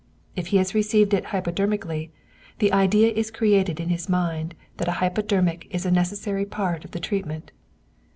If he has received it hypodermically, the idea is created in his mind that a hypodermic is a necessary part of the treatment.